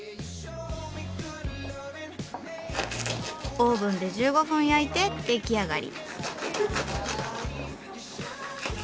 オーブンで１５分焼いて出来上がり。